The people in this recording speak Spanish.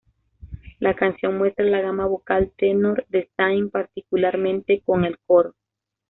La canción muestra la gama vocal tenor de Zayn, particularmente con el coro.